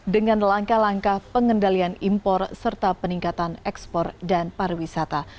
dengan langkah langkah pengendalian impor serta peningkatan ekspor dan pariwisata